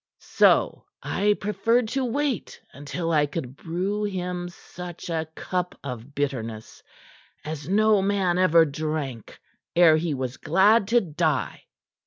So I preferred to wait until I could brew him such a cup of bitterness as no man ever drank ere he was glad to die."